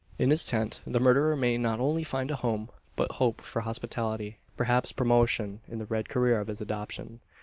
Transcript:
In his tent, the murderer may not only find a home, but hope for hospitality perhaps promotion, in the red career of his adoption!